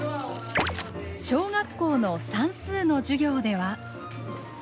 小学校の算数の授業では。